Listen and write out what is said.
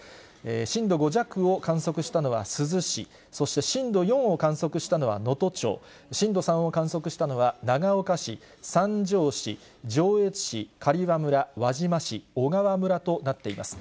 震度５弱を観測したのは珠洲市、そして震度４を観測したのは能登町、震度３を観測したのは長岡市、三条市、上越市、刈羽村、輪島市、小川村となっています。